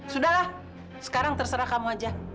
sudahlah sekarang terserah kamu aja